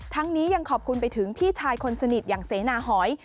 นี้ยังขอบคุณไปถึงพี่ชายคนสนิทอย่างเสนาหอย